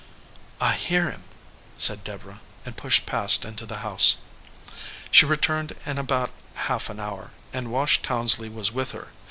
"I hear him," said Deborah, and pushed past into the house. She returned in about half an hour, and Wash Townsley was with her.